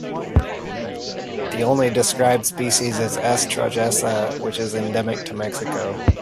The only described species is S. trojesa, which is endemic to Mexico.